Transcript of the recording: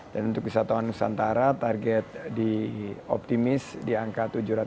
dan untuk wisata manusia antara target di optimis di angka tujuh ratus tiga